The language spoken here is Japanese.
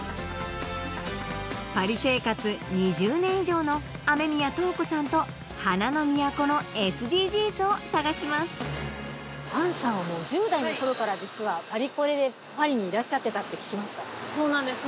パリ生活２０年以上の雨宮塔子さんと花の都のＳＤＧｓを探します杏さんはもう１０代の頃から実はパリコレでパリにいらっしゃってたって聞きましたそうなんです